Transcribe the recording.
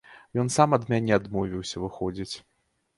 Ён сам ад мяне адмовіўся, выходзіць.